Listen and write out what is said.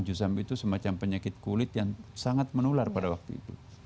juzam itu semacam penyakit kulit yang sangat menular pada waktu itu